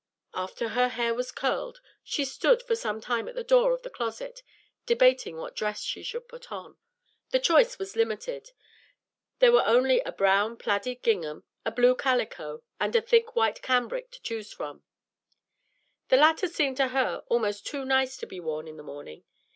After her hair was curled, she stood for some time at the door of the closet, debating what dress she should put on. The choice was limited. There were only a brown plaided gingham, a blue calico, and a thick white cambric to choose from. The latter seemed to her almost too nice to be worn in the morning.